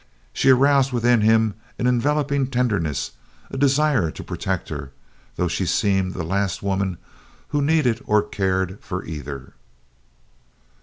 She aroused within him an enveloping tenderness a desire to protect her though she seemed the last woman who needed or cared for either.